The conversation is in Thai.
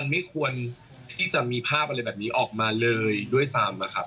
ไม่ควรที่จะมีภาพอะไรแบบนี้ออกมาเลยด้วยซ้ำอะครับ